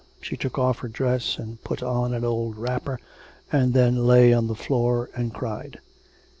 She took off her dress and put on an old wrapper, and then lay on the floor and cried.